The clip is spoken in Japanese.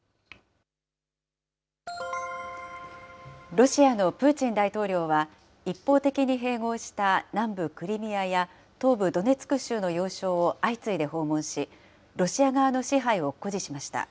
ロシアのプーチン大統領は、一方的に併合した南部クリミアや東部ドネツク州の要衝を相次いで訪問し、ロシア側の支配を誇示しました。